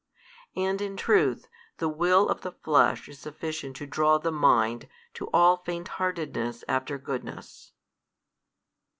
And in truth, the will of the flesh is sufficient to draw the mind to all faintheartedness after goodness.